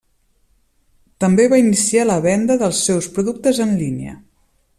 També va iniciar la venda dels seus productes en línia.